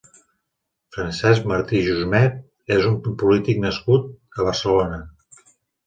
Francesc Martí i Jusmet és un polític nascut a Barcelona.